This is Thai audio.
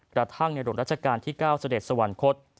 กระทั่งในหลวงราชการที่๙เสด็จสวรรคต